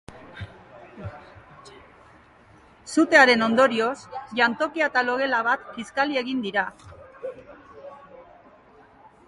Sutearen ondorioz, jantokia eta logela bat kiskali egin dira.